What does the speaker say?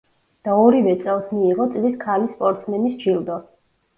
და ორივე წელს მიიღო წლის ქალი სპორტსმენის ჯილდო.